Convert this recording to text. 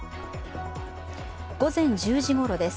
午前１０時ごろです。